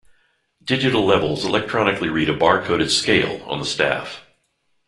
Digital levels electronically read a bar-coded scale on the staff.